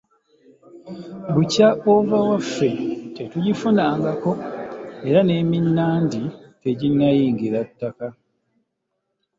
Bukya ova waffe, tetugifunangako, era n'eminnandi teginnayingira ttaka.